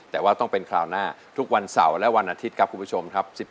แต่ว่าต้องเป็นคราวหน้าทุกวันเสาร์และวันอาทิตย์ครับคุณผู้ชมครับ